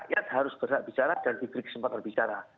rakyat harus berhak bicara dan diberi kesempatan bicara